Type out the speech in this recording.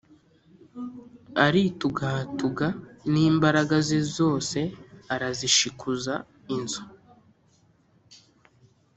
Aritugatuga n imbaraga ze zose arazishikuza inzu